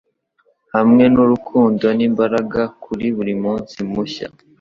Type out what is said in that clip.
Hamwe nurukundo n'imbaraga kuri buri munsi mushya